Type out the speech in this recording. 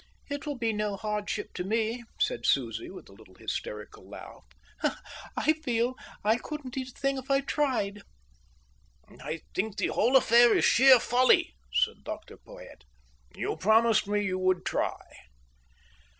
"It will be no hardship to me," said Susie, with a little hysterical laugh. "I feel I couldn't eat a thing if I tried." "I think the whole affair is sheer folly," said Dr Porhoët. "You promised me you would try."